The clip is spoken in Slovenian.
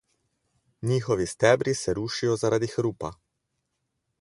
Njihovi stebri se rušijo zaradi hrupa.